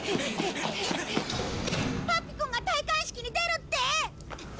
パピくんが戴冠式に出るって！？